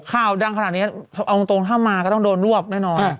ข่าวดังขนาดนี้เอาตรงถ้ามาก็ต้องโดนรวบแน่นอน